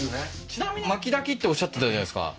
ちなみに薪焚きっておっしゃってたじゃないですか